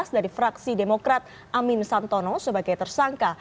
dari fraksi demokrat amin santono sebagai tersangka